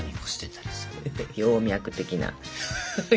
葉脈的な。